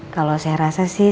kalau saya rasa sih